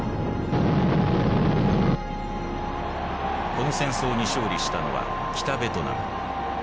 この戦争に勝利したのは北ベトナム。